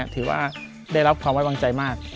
ถือว่าได้รับความไว้วางใจมาก